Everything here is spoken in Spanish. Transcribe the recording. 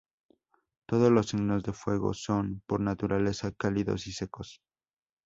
Todos los signos de fuego son, por naturaleza, cálidos y secos.